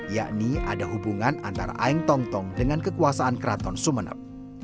yakni ada hubungan antara aeng tong tong dengan kekuasaan keraton sumeneb